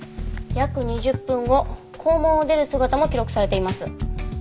約２０分後校門を出る姿も記録されています。